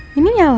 nah ini nyala